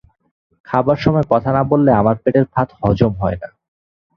খাবার সময় কথা না বললে আমার পেটের ভাত হজম হয় না।